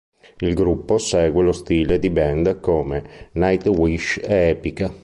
Il gruppo segue lo stile di band come Nightwish e Epica.